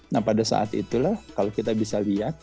nah pada saat itulah kalau kita bisa lihat